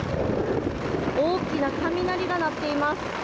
大きな雷が鳴っています。